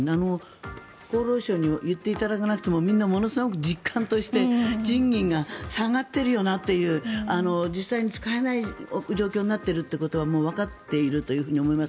厚労省に言っていただかなくてもみんな、ものすごく実感として賃金が下がっているよなという実際に使えない状況になっているということはもうわかっていると思います。